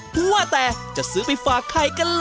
ว่าแต่จะซื้อไปฝากใครกันเหรอ